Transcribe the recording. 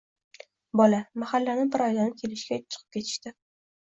Bola: maxallani bir aylanib kelishga chikib ketishdi...